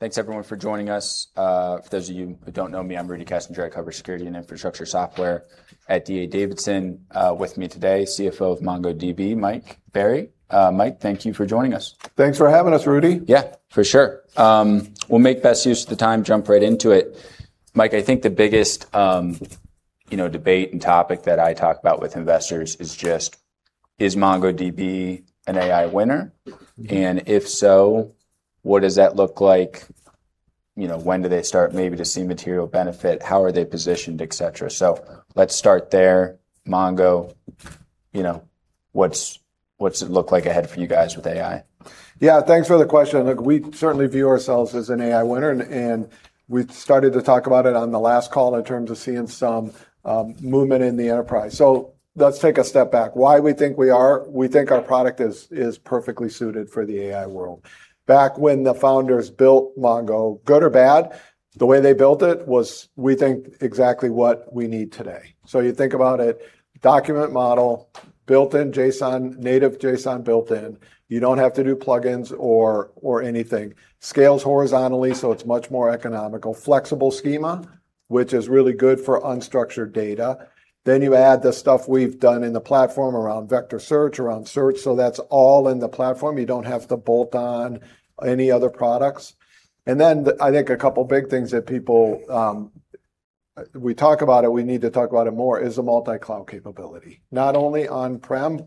Thanks everyone for joining us. For those of you who don't know me, I'm Rudy Kessinger. I cover security and infrastructure software at D.A. Davidson. With me today, CFO of MongoDB, Mike Berry. Mike, thank you for joining us. Thanks for having us, Rudy. Yeah, for sure. We'll make best use of the time, jump right into it. Mike, I think the biggest debate and topic that I talk about with investors is just, is MongoDB an AI winner? If so, what does that look like? When do they start maybe to see material benefit? How are they positioned, et cetera? Let's start there. Mongo, what's it look like ahead for you guys with AI? Yeah, thanks for the question. Look, we certainly view ourselves as an AI winner, and we started to talk about it on the last call in terms of seeing some movement in the enterprise. Let's take a step back. Why we think we are, we think our product is perfectly suited for the AI world. Back when the founders built Mongo, good or bad, the way they built it was, we think, exactly what we need today. You think about it, document model, built-in JSON, native JSON built in. You don't have to do plugins or anything. Scales horizontally, so it's much more economical. Flexible schema, which is really good for unstructured data. You add the stuff we've done in the platform around vector search, around search. That's all in the platform. You don't have to bolt on any other products. I think a couple big things that we talk about it, we need to talk about it more, is the multi-cloud capability. Not only on-prem,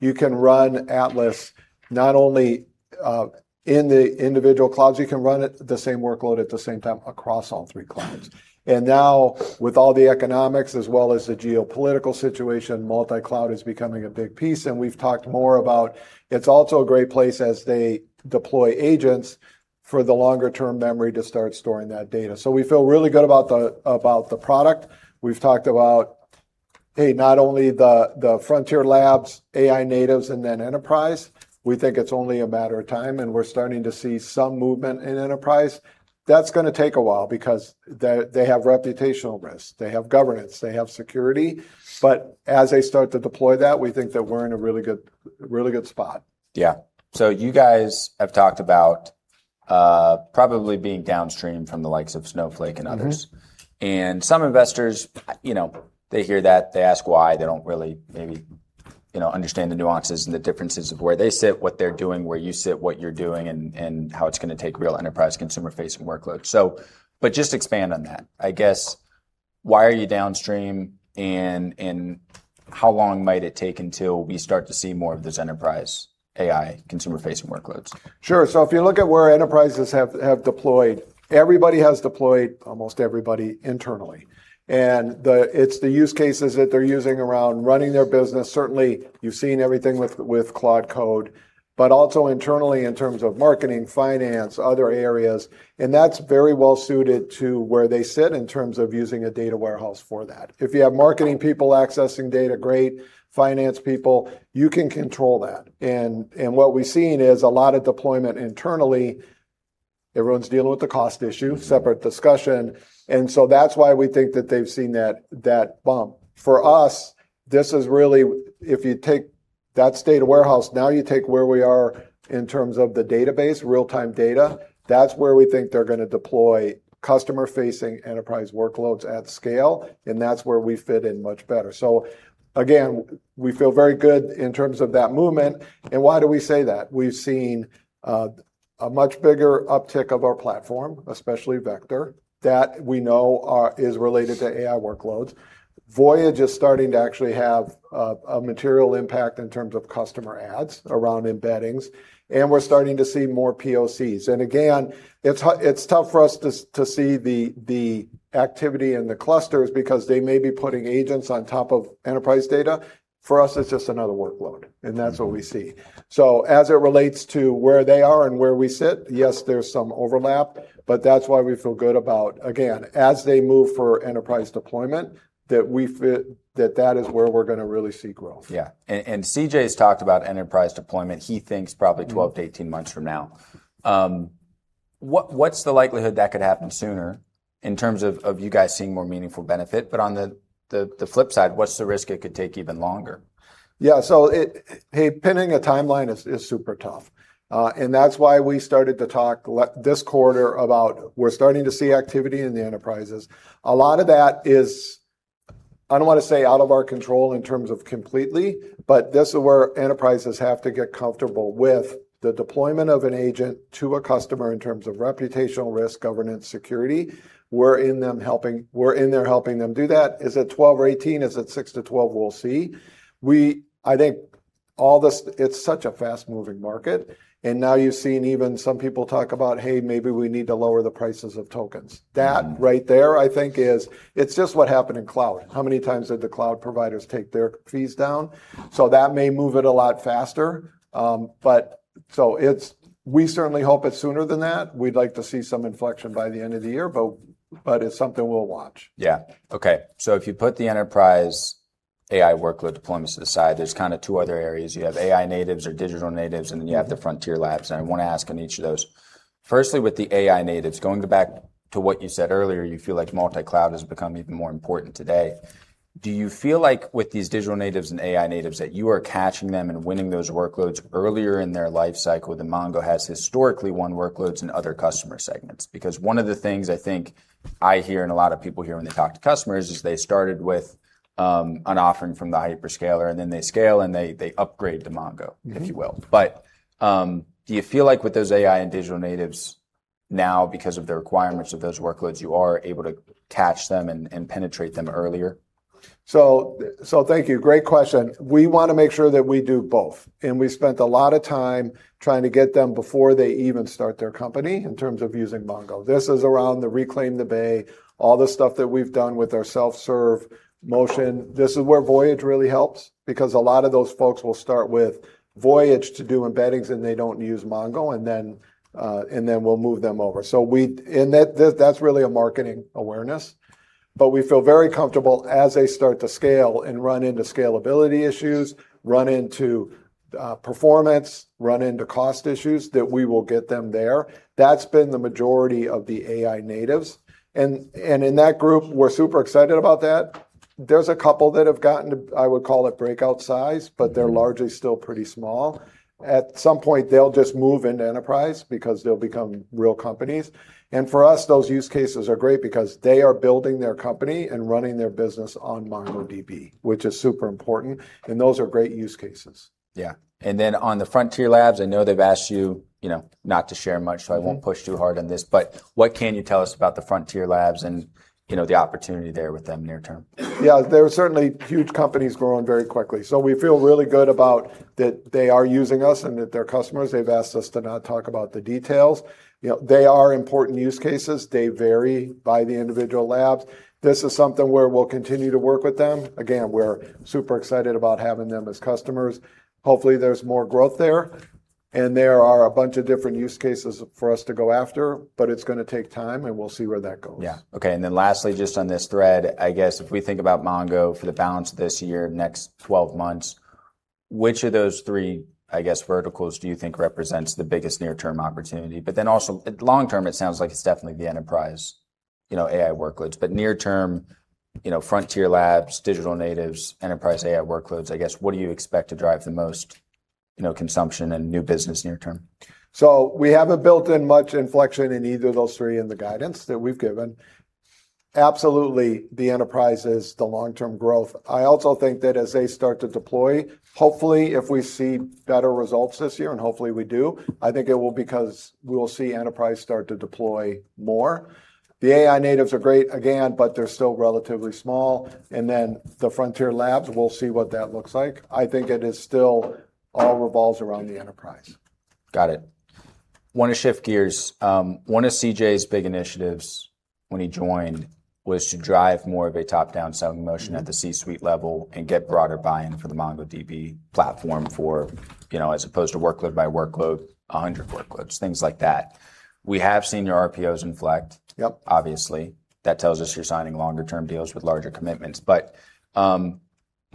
you can run Atlas not only in the individual clouds, you can run it the same workload at the same time across all three clouds. With all the economics as well as the geopolitical situation, multi-cloud is becoming a big piece, we've talked more about it's also a great place as they deploy agents for the longer-term memory to start storing that data. We feel really good about the product. We've talked about, not only the frontier labs, AI natives, enterprise. We think it's only a matter of time, we're starting to see some movement in enterprise. That's going to take a while because they have reputational risk, they have governance, they have security. As they start to deploy that, we think that we're in a really good spot. You guys have talked about probably being downstream from the likes of Snowflake Inc. and others. Some investors, they hear that, they ask why. They don't really maybe understand the nuances and the differences of where they sit, what they're doing, where you sit, what you're doing, how it's going to take real enterprise consumer-facing workloads. Just expand on that. I guess, why are you downstream, how long might it take until we start to see more of this enterprise AI consumer-facing workloads? If you look at where enterprises have deployed, everybody has deployed, almost everybody internally. It's the use cases that they're using around running their business. Certainly, you've seen everything with Claude Code, but also internally in terms of marketing, finance, other areas, and that's very well suited to where they sit in terms of using a data warehouse for that. If you have marketing people accessing data, great. Finance people, you can control that. What we've seen is a lot of deployment internally. Everyone's dealing with the cost issue. Separate discussion. That's why we think that they've seen that bump. For us, this is really, if you take that data warehouse, now you take where we are in terms of the database, real-time data. That's where we think they're going to deploy customer-facing enterprise workloads at scale, and that's where we fit in much better. Again, we feel very good in terms of that movement. Why do we say that? We've seen a much bigger uptick of our platform, especially Vector, that we know is related to AI workloads. Voyage is starting to actually have a material impact in terms of customer adds around embeddings, and we're starting to see more POCs. Again, it's tough for us to see the activity in the clusters because they may be putting agents on top of enterprise data. For us, it's just another workload, and that's what we see. As it relates to where they are and where we sit, yes, there's some overlap, but that's why we feel good about, again, as they move for enterprise deployment, that that is where we're going to really see growth. Yeah. CJ's talked about enterprise deployment, he thinks probably 12-18 months from now. What's the likelihood that could happen sooner in terms of you guys seeing more meaningful benefit? On the flip side, what's the risk it could take even longer? Yeah, pinning a timeline is super tough. That's why we started to talk this quarter about we're starting to see activity in the enterprises. A lot of that is, I don't want to say out of our control in terms of completely, but this is where enterprises have to get comfortable with the deployment of an agent to a customer in terms of reputational risk, governance, security. We're in there helping them do that. Is it 12 or 18? Is it six to 12? We'll see. I think all this, it's such a fast-moving market. Now you're seeing even some people talk about, hey, maybe we need to lower the prices of tokens. That right there, I think it's just what happened in cloud. How many times did the cloud providers take their fees down? That may move it a lot faster. We certainly hope it's sooner than that. We'd like to see some inflection by the end of the year. It's something we'll watch. Yeah. Okay. If you put the enterprise AI workload deployments to the side, there are two other areas. You have AI natives or digital natives. Then you have the frontier labs. I want to ask on each of those. Firstly, with the AI natives, going back to what you said earlier, you feel like multi-cloud has become even more important today. Do you feel like with these digital natives and AI natives that you are catching them and winning those workloads earlier in their life cycle than MongoDB has historically won workloads in other customer segments? One of the things I think I hear and a lot of people hear when they talk to customers is they started with an offering from the hyperscaler. Then they scale, they upgrade to MongoDB- if you will. Do you feel like with those AI and digital natives now, because of the requirements of those workloads, you are able to catch them and penetrate them earlier? Thank you. Great question. We want to make sure that we do both, and we spent a lot of time trying to get them before they even start their company in terms of using Mongo. This is around the Reclaim the Bay, all the stuff that we've done with our self-serve motion. This is where Voyage really helps because a lot of those folks will start with Voyage to do embeddings, and they don't use Mongo, and then we'll move them over. That's really a marketing awareness, but we feel very comfortable as they start to scale and run into scalability issues, run into performance, run into cost issues, that we will get them there. That's been the majority of the AI natives. In that group, we're super excited about that. There's a couple that have gotten, I would call it breakout size- They're largely still pretty small. At some point, they'll just move into enterprise because they'll become real companies. For us, those use cases are great because they are building their company and running their business on MongoDB, which is super important. Those are great use cases. Yeah. Then on the Frontier labs, I know they've asked you not to share much- I won't push too hard on this, what can you tell us about the Frontier labs and the opportunity there with them near term? Yeah. They're certainly huge companies growing very quickly. We feel really good about that they are using us and that they're customers. They've asked us to not talk about the details. They are important use cases. They vary by the individual labs. This is something where we'll continue to work with them. Again, we're super excited about having them as customers. Hopefully, there's more growth there, and there are a bunch of different use cases for us to go after. It's going to take time, and we'll see where that goes. Yeah. Okay, lastly, just on this thread, I guess if we think about MongoDB for the balance of this year, next 12 months, which of those three verticals do you think represents the biggest near-term opportunity? Also long term, it sounds like it's definitely the enterprise AI workloads. Near term, Frontier labs, digital natives, enterprise AI workloads, I guess, what do you expect to drive the most consumption and new business near term? We haven't built in much inflection in either of those three in the guidance that we've given. Absolutely, the enterprise is the long-term growth. I also think that as they start to deploy, hopefully, if we see better results this year, and hopefully we do, I think it will be because we will see enterprise start to deploy more. The AI natives are great again, but they're still relatively small. The Frontier labs, we'll see what that looks like. I think it still all revolves around the enterprise. Got it. Want to shift gears. One of CJ's big initiatives when he joined was to drive more of a top-down selling motion. At the C-suite level and get broader buy-in for the MongoDB platform as opposed to workload by workload, 100 workloads, things like that. We have seen your RPOs inflect. Yep Obviously, that tells us you're signing longer-term deals with larger commitments.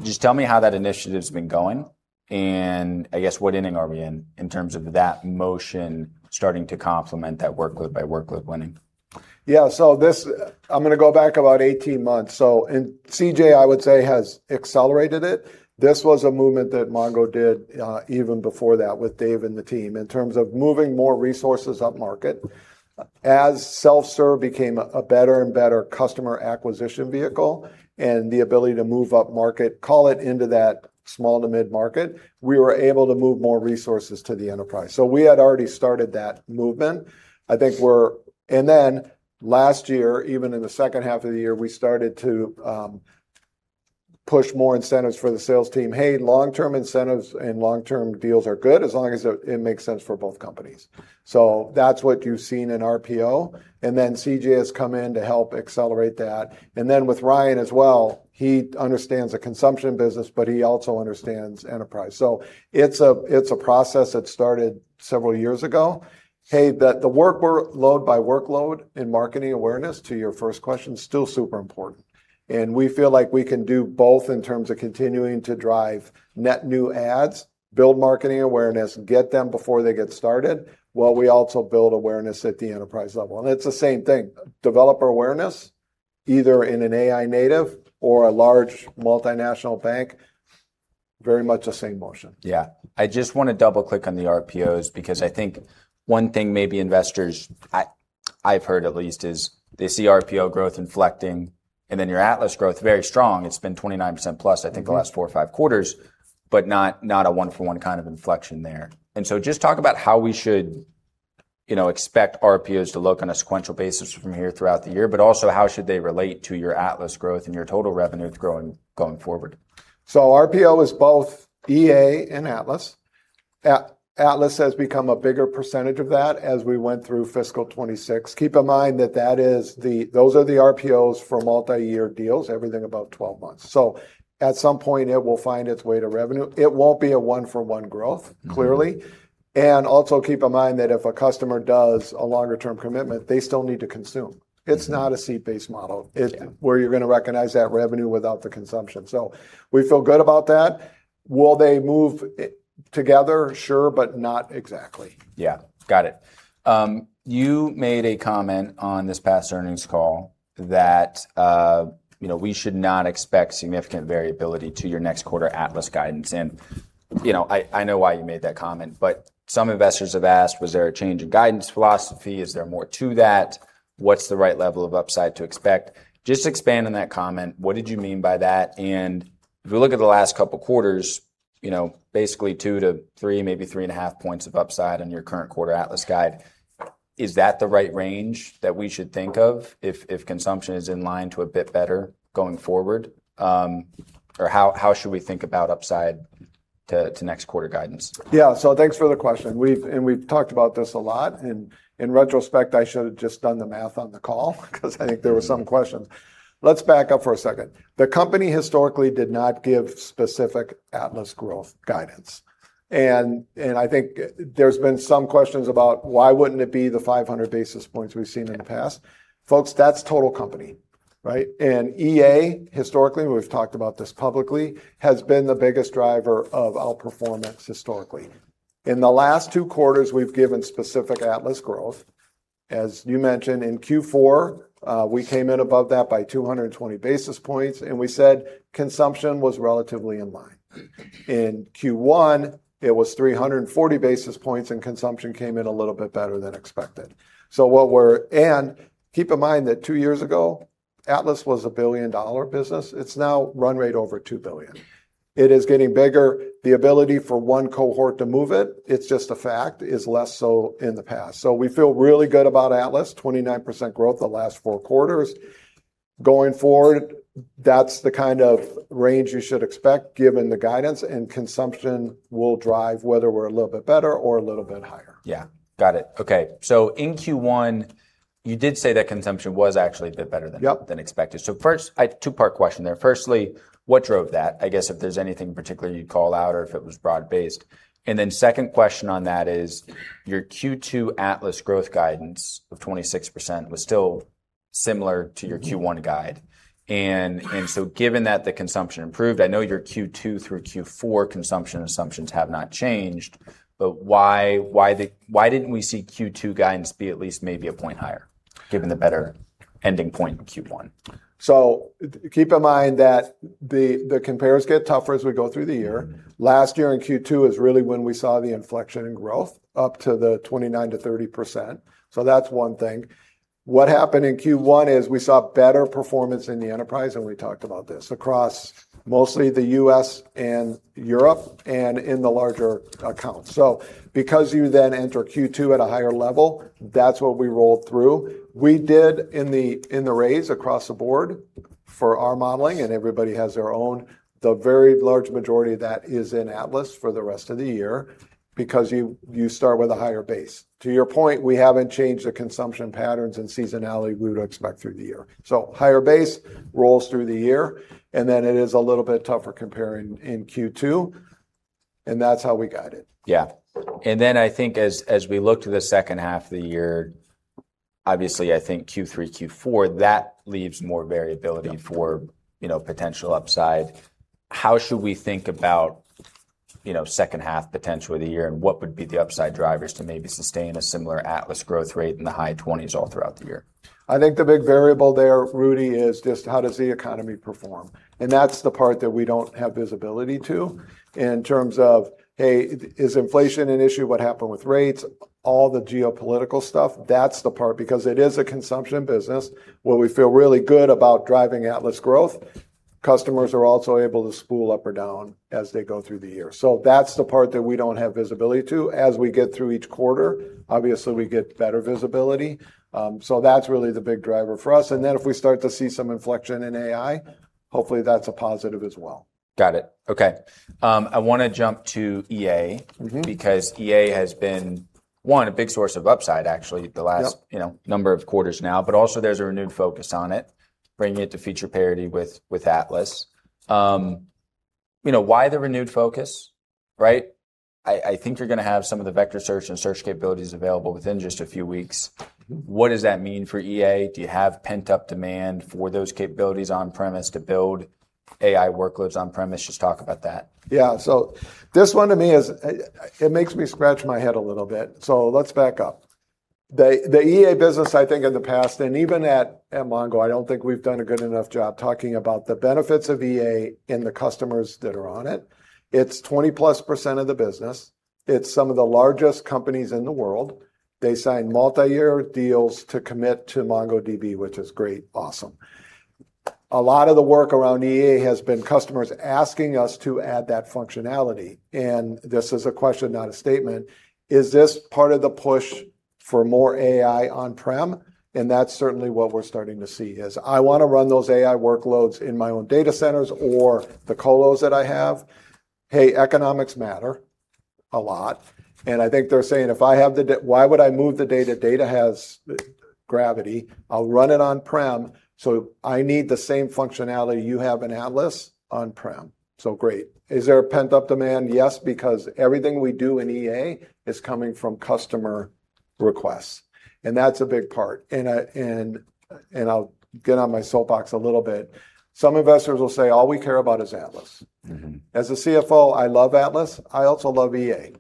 Just tell me how that initiative's been going, and I guess what inning are we in terms of that motion starting to complement that workload by workload winning? Yeah. I'm going to go back about 18 months. CJ, I would say, has accelerated it. This was a movement that MongoDB did even before that with Dave and the team in terms of moving more resources upmarket. As self-serve became a better and better customer acquisition vehicle and the ability to move upmarket, call it into that small to mid-market, we were able to move more resources to the enterprise. We had already started that movement. Last year, even in the second half of the year, we started to push more incentives for the sales team. Long-term incentives and long-term deals are good as long as it makes sense for both companies. That's what you've seen in RPO, and then CJ has come in to help accelerate that. With Ryan as well, he understands the consumption business, but he also understands enterprise. It's a process that started several years ago. That the workload by workload and marketing awareness, to your first question, still super important. We feel like we can do both in terms of continuing to drive net new adds, build marketing awareness, get them before they get started, while we also build awareness at the enterprise level. It's the same thing. Developer awareness, either in an AI-native or a large multinational bank, very much the same motion. Yeah. I just want to double-click on the RPOs because I think one thing maybe investors, I've heard at least, is they see RPO growth inflecting and then your Atlas growth very strong. It's been 29%+, I think- the last four or five quarters, but not a one-for-one kind of inflection there. Just talk about how we should expect RPOs to look on a sequential basis from here throughout the year, but also how should they relate to your Atlas growth and your total revenue going forward? RPO is both EA and Atlas. Atlas has become a bigger percentage of that as we went through fiscal 2026. Keep in mind that those are the RPOs for multi-year deals, everything above 12 months. At some point, it will find its way to revenue. It won't be a one-for-one growth- clearly. Also keep in mind that if a customer does a longer-term commitment, they still need to consume. It's not a seat-based model. Yeah Where you're going to recognize that revenue without the consumption. We feel good about that. Will they move together, sure, but not exactly. Yeah. Got it. You made a comment on this past earnings call that we should not expect significant variability to your next quarter Atlas guidance. I know why you made that comment, but some investors have asked, "Was there a change in guidance philosophy? Is there more to that? What's the right level of upside to expect?" Just expand on that comment. What did you mean by that? If we look at the last couple quarters, basically 2-3, maybe 3.5 points of upside on your current quarter Atlas guide. Is that the right range that we should think of if consumption is in line to a bit better going forward? How should we think about upside to next quarter guidance? Yeah. Thanks for the question. We've talked about this a lot, and in retrospect, I should've just done the math on the call because I think there were some questions. Let's back up for a second. The company historically did not give specific Atlas growth guidance. I think there's been some questions about why wouldn't it be the 500 basis points we've seen in the past. Folks, that's total company. Right? EA, historically, we've talked about this publicly, has been the biggest driver of outperformance historically. In the last two quarters, we've given specific Atlas growth. As you mentioned, in Q4, we came in above that by 220 basis points, and we said consumption was relatively in line. In Q1, it was 340 basis points, and consumption came in a little bit better than expected. Keep in mind that two years ago, Atlas was a billion-dollar business. It's now run rate over $2 billion. It is getting bigger. The ability for one cohort to move it's just a fact, is less so in the past. We feel really good about Atlas, 29% growth the last four quarters. Going forward, that's the kind of range you should expect given the guidance, and consumption will drive whether we're a little bit better or a little bit higher. Yeah. Got it. Okay. In Q1, you did say that consumption was actually a bit better than. Yep Than expected. First, I have a two-part question there. Firstly, what drove that? I guess if there's anything in particular you'd call out or if it was broad based. Second question on that is your Q2 Atlas growth guidance of 26% was still similar to your Q1 guide. Given that the consumption improved, I know your Q2 through Q4 consumption assumptions have not changed, but why didn't we see Q2 guidance be at least maybe a point higher given the better ending point in Q1? Keep in mind that the compares get tougher as we go through the year. Last year in Q2 is really when we saw the inflection in growth up to the 29%-30%. That's one thing. What happened in Q1 is we saw better performance in the enterprise, and we talked about this, across mostly the U.S. and Europe and in the larger accounts. Because you then enter Q2 at a higher level, that's what we rolled through. We did in the raise across the board for our modeling, and everybody has their own, the very large majority of that is in Atlas for the rest of the year because you start with a higher base. To your point, we haven't changed the consumption patterns and seasonality we would expect through the year. Higher base rolls through the year, it is a little bit tougher comparing in Q2, and that's how we guided. I think as we look to the second half of the year, obviously, I think Q3, Q4, that leaves more variability for potential upside. How should we think about second half potential of the year, and what would be the upside drivers to maybe sustain a similar Atlas growth rate in the high 20s all throughout the year? I think the big variable there, Rudy, is just how does the economy perform. That's the part that we don't have visibility to in terms of, hey, is inflation an issue? What happened with rates? All the geopolitical stuff, that's the part. Because it is a consumption business where we feel really good about driving Atlas growth. Customers are also able to spool up or down as they go through the year. That's the part that we don't have visibility to. As we get through each quarter, obviously, we get better visibility. That's really the big driver for us. If we start to see some inflection in AI, hopefully, that's a positive as well. Got it. Okay. I want to jump to EA. EA has been, one, a big source of upside, actually. Yep The last number of quarters now. Also there's a renewed focus on it, bringing it to feature parity with Atlas. Why the renewed focus, right? I think you're going to have some of the vector search and search capabilities available within just a few weeks. What does that mean for EA? Do you have pent-up demand for those capabilities on-premise to build AI workloads on-premise? Just talk about that. Yeah. This one to me is, it makes me scratch my head a little bit. Let's back up. The EA business, I think in the past, and even at Mongo, I don't think we've done a good enough job talking about the benefits of EA and the customers that are on it. It's 20%+ of the business. It's some of the largest companies in the world. They sign multi-year deals to commit to MongoDB, which is great. Awesome. A lot of the work around EA has been customers asking us to add that functionality, this is a question, not a statement. Is this part of the push for more AI on-prem? That's certainly what we're starting to see is, I want to run those AI workloads in my own data centers or the colos that I have. Hey, economics matter a lot. I think they're saying, "Why would I move the data? Data has gravity. I'll run it on-prem, so I need the same functionality you have in Atlas on-prem." Great. Is there a pent-up demand? Yes, because everything we do in EA is coming from customer requests, and that's a big part. I'll get on my soapbox a little bit. Some investors will say, "All we care about is Atlas. As a CFO, I love Atlas. I also love EA.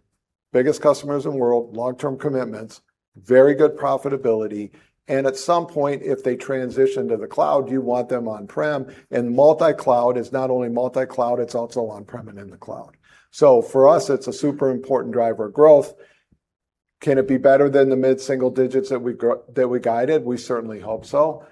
Biggest customers in the world, long-term commitments, very good profitability, and at some point, if they transition to the cloud, you want them on-prem, and multi-cloud is not only multi-cloud, it's also on-prem and in the cloud. For us, it's a super important driver of growth. Can it be better than the mid-single digits that we guided? We certainly hope so.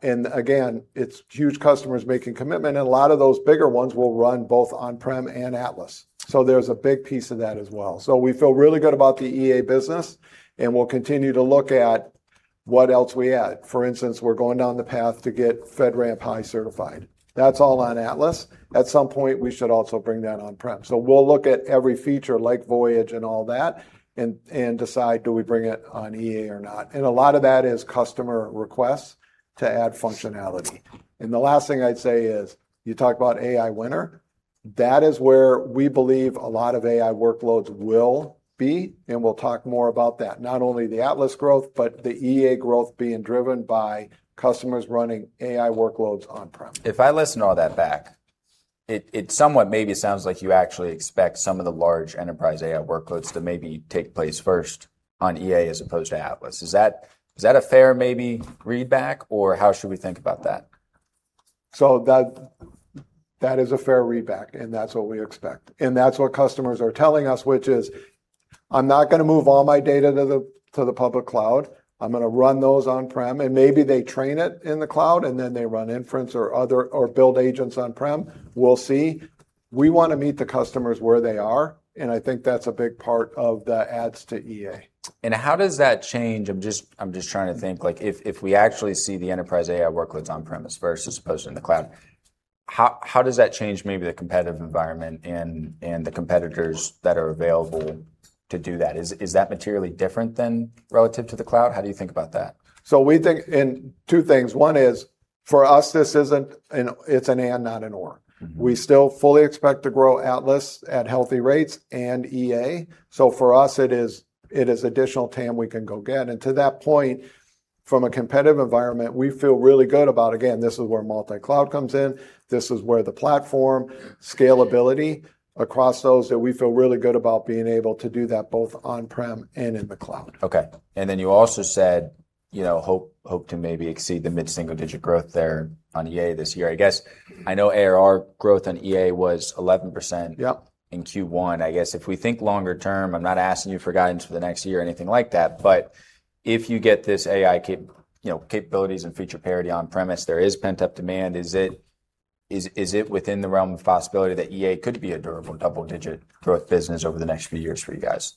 Again, it's huge customers making commitment, and a lot of those bigger ones will run both on-prem and Atlas. There's a big piece of that as well. We feel really good about the EA business, and we'll continue to look at what else we add. For instance, we're going down the path to get FedRAMP High certified. That's all on Atlas. At some point, we should also bring that on-prem. We'll look at every feature like Voyage and all that and decide do we bring it on EA or not? A lot of that is customer requests to add functionality. The last thing I'd say is you talk about AI winner, that is where we believe a lot of AI workloads will be, and we'll talk more about that. Not only the Atlas growth, but the EA growth being driven by customers running AI workloads on-prem. If I listen to all that back, it somewhat maybe sounds like you actually expect some of the large enterprise AI workloads to maybe take place first on EA as opposed to Atlas. Is that a fair maybe read back, or how should we think about that? That is a fair read back, and that's what we expect. That's what customers are telling us, which is, "I'm not going to move all my data to the public cloud. I'm going to run those on-prem." Maybe they train it in the cloud, and then they run inference or build agents on-prem. We'll see. We want to meet the customers where they are, and I think that's a big part of the adds to EA. How does that change, I'm just trying to think, like if we actually see the enterprise AI workloads on-premise versus supposed in the cloud, how does that change maybe the competitive environment and the competitors that are available to do that? Is that materially different than relative to the cloud? How do you think about that? Two things. One is, for us, this isn't an It's an and, not an or. We still fully expect to grow Atlas at healthy rates and EA. For us, it is additional TAM we can go get. To that point, from a competitive environment, we feel really good about, again, this is where multi-cloud comes in. This is where the platform scalability across those that we feel really good about being able to do that both on-prem and in the cloud. Okay. Then you also said, hope to maybe exceed the mid-single-digit growth there on EA this year. I guess I know ARR growth on EA was 11%. Yep In Q1. I guess if we think longer term, I'm not asking you for guidance for the next year or anything like that, but if you get this AI capabilities and feature parity on-premises, there is pent-up demand. Is it within the realm of possibility that EA could be a durable double-digit growth business over the next few years for you guys?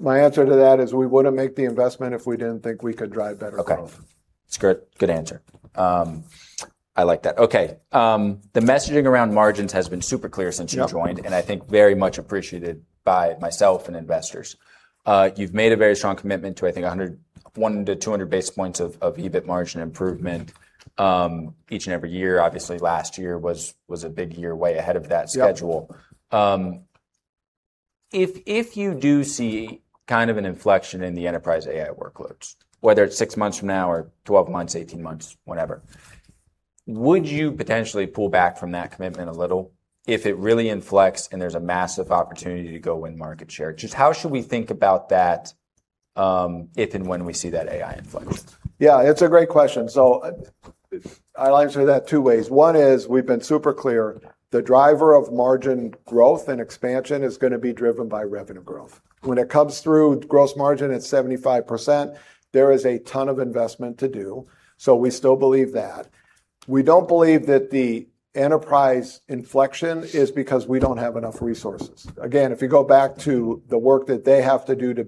My answer to that is we wouldn't make the investment if we didn't think we could drive better growth. Okay. It's good. Good answer. I like that. Okay. The messaging around margins has been super clear since you. Yep joined, and I think very much appreciated by myself and investors. You've made a very strong commitment to, I think, 101-200 basis points of EBIT margin improvement each and every year. Obviously, last year was a big year, way ahead of that schedule. Yep. If you do see kind of an inflection in the enterprise AI workloads, whether it's six months from now or 12 months, 18 months, whenever, would you potentially pull back from that commitment a little if it really inflects and there's a massive opportunity to go win market share? Just how should we think about that if and when we see that AI inflection? Yeah, it's a great question. I'll answer that two ways. One is we've been super clear. The driver of margin growth and expansion is going to be driven by revenue growth. When it comes through gross margin at 75%, there is a ton of investment to do. We still believe that. We don't believe that the enterprise inflection is because we don't have enough resources. Again, if you go back to the work that they have to do to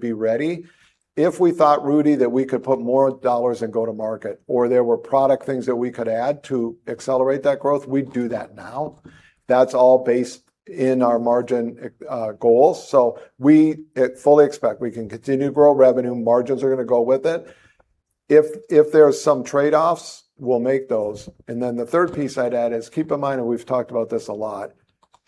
be ready, if we thought, Rudy, that we could put more dollars and go to market, or there were product things that we could add to accelerate that growth, we'd do that now. That's all based in our margin goals. We fully expect we can continue to grow revenue. Margins are going to go with it. If there are some trade-offs, we'll make those. The third piece I'd add is, keep in mind, and we've talked about this a lot,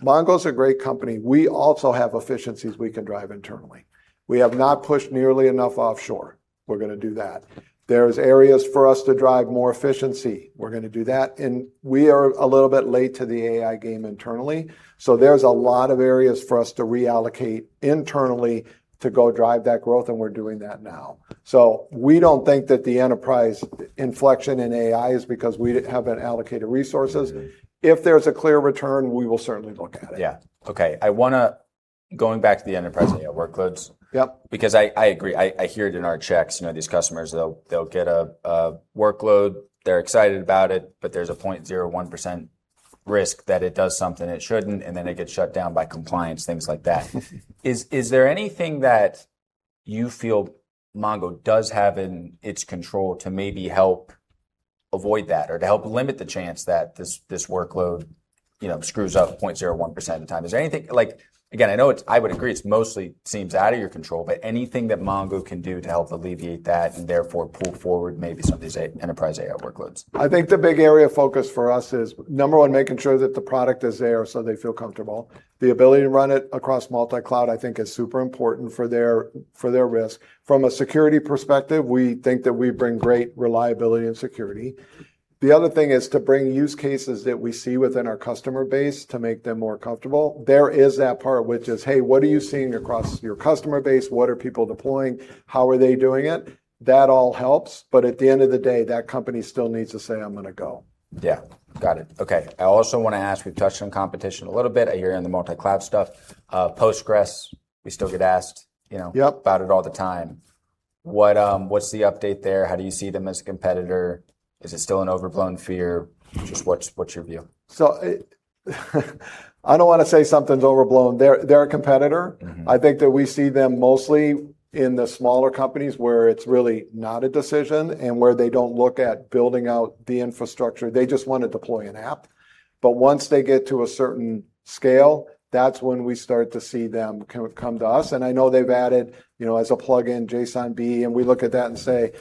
MongoDB is a great company. We also have efficiencies we can drive internally. We have not pushed nearly enough offshore. We're going to do that. There's areas for us to drive more efficiency. We're going to do that. We are a little bit late to the AI game internally, so there's a lot of areas for us to reallocate internally to go drive that growth, and we're doing that now. We don't think that the enterprise inflection in AI is because we haven't allocated resources. If there's a clear return, we will certainly look at it. Yeah. Okay. Going back to the enterprise AI workloads. Yep I agree. I hear it in our checks. These customers, they'll get a workload, they're excited about it, but there's a 0.01% risk that it does something it shouldn't, and then it gets shut down by compliance, things like that. Is there anything that you feel MongoDB does have in its control to maybe help avoid that or to help limit the chance that this workload screws up 0.01% of the time. Again, I would agree, it mostly seems out of your control, but anything that MongoDB can do to help alleviate that and therefore pull forward maybe some of these enterprise AI workloads? I think the big area of focus for us is, number one, making sure that the product is there so they feel comfortable. The ability to run it across multi-cloud I think is super important for their risk. From a security perspective, we think that we bring great reliability and security. The other thing is to bring use cases that we see within our customer base to make them more comfortable. There is that part which is, hey, what are you seeing across your customer base? What are people deploying? How are they doing it? That all helps, but at the end of the day, that company still needs to say, "I'm going to go. Yeah. Got it. Okay. I also want to ask, we've touched on competition a little bit. I hear in the multi-cloud stuff. PostgreSQL, we still get asked- Yep About it all the time. What's the update there? How do you see them as a competitor? Is it still an overblown fear? Just what's your view? I don't want to say something's overblown. They're a competitor. I think that we see them mostly in the smaller companies where it's really not a decision and where they don't look at building out the infrastructure. They just want to deploy an app. Once they get to a certain scale, that's when we start to see them come to us. I know they've added, as a plug-in, JSONB, and we look at that and say,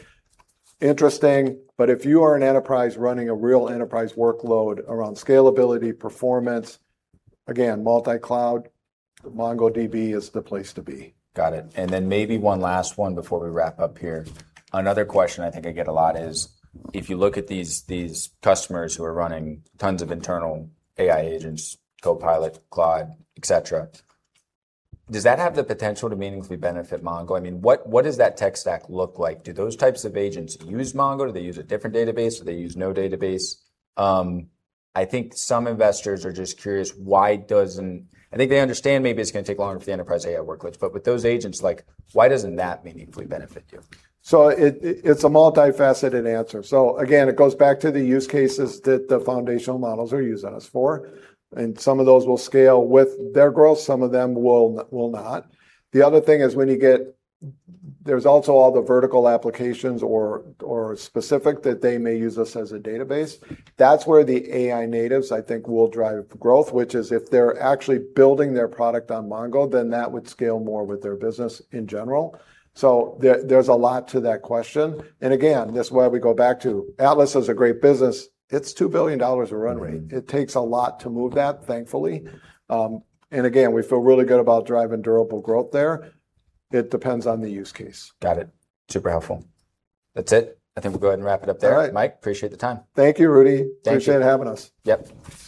"Interesting." If you are an enterprise running a real enterprise workload around scalability, performance, again, multi-cloud, MongoDB is the place to be. Got it. Maybe one last one before we wrap up here. Another question I think I get a lot is, if you look at these customers who are running tons of internal AI agents, Copilot, Claude, et cetera, does that have the potential to meaningfully benefit Mongo? What does that tech stack look like? Do those types of agents use Mongo? Do they use a different database? Do they use no database? I think some investors are just curious. I think they understand maybe it's going to take longer for the enterprise AI workloads, with those agents, why doesn't that meaningfully benefit you? It's a multifaceted answer. Again, it goes back to the use cases that the foundational models are using us for, some of those will scale with their growth, some of them will not. The other thing is there's also all the vertical applications or specific that they may use us as a database. That's where the AI natives, I think, will drive growth, which is if they're actually building their product on Mongo, that would scale more with their business in general. There's a lot to that question. Again, that's why we go back to Atlas is a great business. It's $2 billion of run rate. It takes a lot to move that, thankfully. Again, we feel really good about driving durable growth there. It depends on the use case. Got it. Super helpful. That's it. I think we'll go ahead and wrap it up there. All right. Mike, appreciate the time. Thank you, Rudy. Thank you. Appreciate having us. Yep.